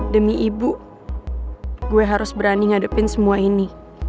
demi ibu gue harus berani ngadepin semua ini